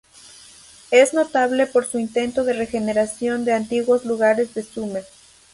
Es notable por su intento de regeneración de antiguos lugares de Sumer.